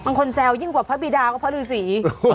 แซวยิ่งกว่าพระบิดาก็พระฤษี